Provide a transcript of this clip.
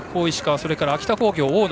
それから秋田工業の大野。